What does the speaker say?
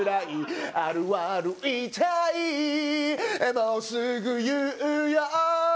「もうすぐ言うよ」